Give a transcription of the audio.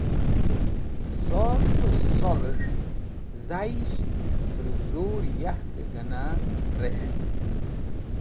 Sol bẽ solẽs̃h zayis̃h tẽr zur yarkẽ gẽna res̃ht.